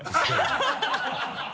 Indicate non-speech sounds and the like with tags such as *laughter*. ハハハ *laughs*